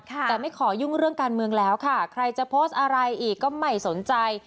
แต่ไม่ขอยุ่งเรื่องการเมืองแล้วค่ะใครจะโพสต์อะไรอีกก็ไม่สนใจ